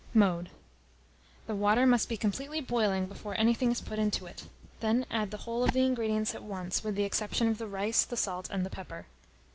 Mode. The water must be completely boiling before anything is put into it; then add the whole of the ingredients at once, with the exception of the rice, the salt, and the pepper.